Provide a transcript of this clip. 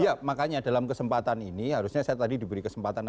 iya makanya dalam kesempatan ini harusnya saya tadi diberi kesempatan